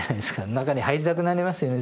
中に入りたくなりますよね